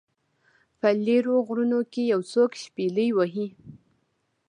په لیرو غرونو کې یو څوک شپیلۍ وهي